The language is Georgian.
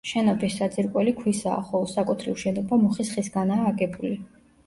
შენობის საძირკველი ქვისაა, ხოლო საკუთრივ შენობა მუხის ხისგანაა აგებული.